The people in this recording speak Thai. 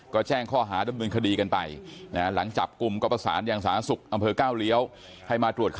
ก็แจ้งข้อหาดำเนินคดีกันไปหลังจับกลุ่มกประสานอย่างสาธารณสุข